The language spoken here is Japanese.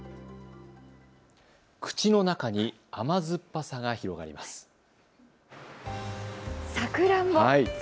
口の中に甘酸っぱさが広がります。